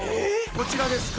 こちらですか？